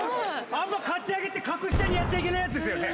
あんまかち上げって格下にやっちゃいけないやつですよね？